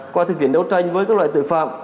qua thực hiện đấu tranh với các loại tội phạm